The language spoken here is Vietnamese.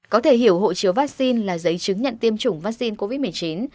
có thể hiểu hộ chiếu vaccine là giấy chứng nhận tiêm chủng vaccine covid một mươi chín